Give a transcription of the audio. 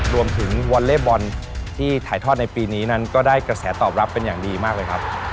วอลเล่บอลที่ถ่ายทอดในปีนี้นั้นก็ได้กระแสตอบรับเป็นอย่างดีมากเลยครับ